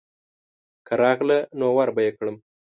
که راغله نو وربه یې کړم.